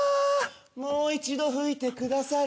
もう一度吹いてくださる？